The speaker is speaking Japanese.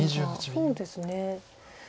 そうですね。